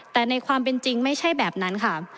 แต่ในความเป็นจริงไม่ใช่แบบนั้นค่ะ